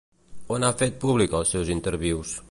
On ha fet públic els seus intervius?